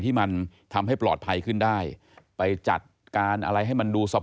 ที่มันทำให้ปลอดภัยขึ้นได้ไปจัดการอะไรให้มันดูสภาพ